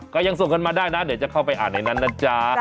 ก็ยังส่งกันมาได้นะเดี๋ยวจะเข้าไปอ่านในนั้นนะจ๊ะ